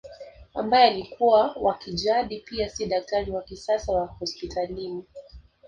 Ambaye alikuwa wa kijadi pia si daktari wa kisasa wa hospitalini